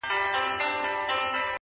کټ یې مات کړ هر څه ولوېدل د لاندي،